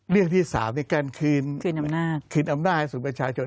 เรื่องที่๓นี่การคืนอำนาจสู่ประชาชน